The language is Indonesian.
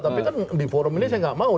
tapi kan di forum ini saya nggak mau